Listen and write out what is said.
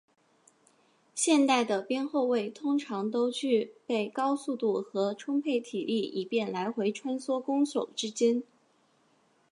现代的边后卫通常都具备高速度和充沛体力以便来回穿梭攻守之间。